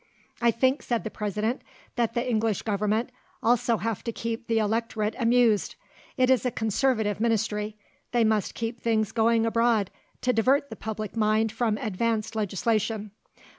"I think," said the President, "that the English Government also have to keep the electorate amused. It is a Conservative ministry; they must keep things going abroad to divert the public mind from advanced legislation.